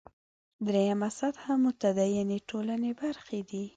درېیمه سطح متدینې ټولنې برخې دي.